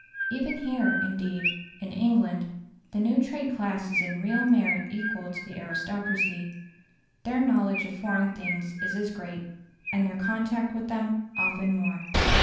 Even here, indeed, in England the new trade class is in real merit equal to the aristocracy. Their knowledge of foreign things is as great, and their contact with them often more.